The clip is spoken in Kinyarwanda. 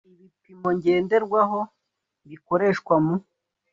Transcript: ibipimo ngenderwaho bikoreshwa mu